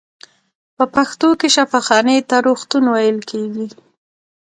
په پښتو کې شفاخانې ته روغتون ویل کیږی.